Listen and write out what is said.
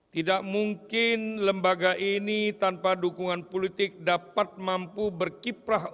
tidak mungkin lembaga ini tanpa dukungan politik dapat mampu berkiprah